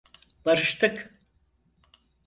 Barıştık.